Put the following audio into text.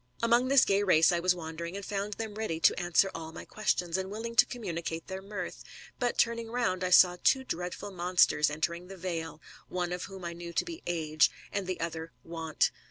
Among this gay race I was wandering, and found them ready to answer aE my questions, and willing to communi cate their mirth ; but turning round, I saw two dreadful monsters entering the vale, one of whom I knew to be ACE, and the other Want.